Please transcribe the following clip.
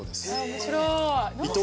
面白い。